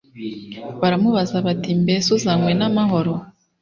Baramubaza bati “Mbese uzanywe n’amahoro?”